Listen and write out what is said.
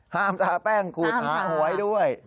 ห้ามทาแป้งคูทาหวยด้วย